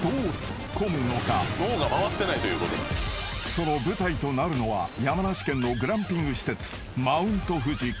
［その舞台となるのは山梨県のグランピング施設］